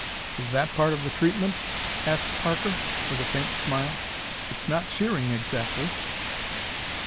"Is that part of the treatment?" asked Parker, with a faint smile. "It's not cheering, exactly."